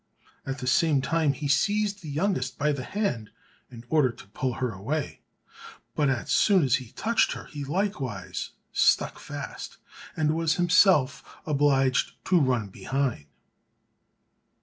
At the same time he seized the youngest by the hand in order to pull her away, but as soon as he touched her he likewise stuck fast, and was himself obliged to run behind.